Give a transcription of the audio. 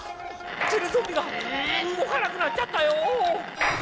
テレゾンビがうごかなくなっちゃったよ！